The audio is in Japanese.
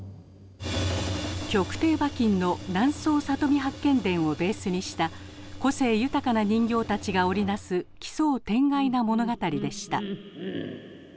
曲亭馬琴の「南総里見八犬伝」をベースにした個性豊かな人形たちが織り成す奇想天外な物語でした。